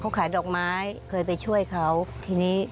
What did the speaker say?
ป้าก็ทำของคุณป้าได้ยังไงสู้ชีวิตขนาดไหนติดตามกัน